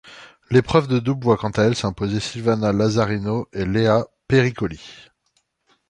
L'épreuve de double voit quant à elle s'imposer Sylvana Lazzarino et Lea Pericoli.